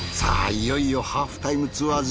いよいよ『ハーフタイムツアーズ』